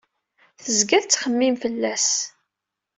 Tezga tettxemmim fell-as.